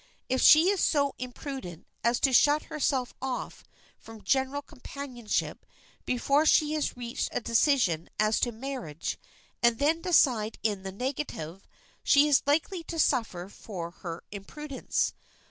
If she is so imprudent as to shut herself off from general companionship before she has reached a decision as to marriage and then decide in the negative, she is likely to suffer for her imprudence.